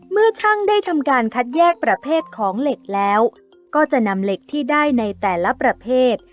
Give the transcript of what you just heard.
เมื่อช่างได้ทำการคัดแยกประเภทของเหล็กแล้วก็จะนำเหล็กที่ได้ในแต่ละประเภท